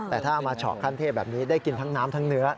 แต่ถ้าเอามาเฉาะขั้นเทพแบบนี้ได้กินทั้งน้ำทั้งเนื้อ